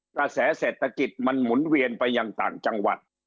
กระแสเศรษฐกิจมันหมุนเวียนไปยังต่างจังหวัด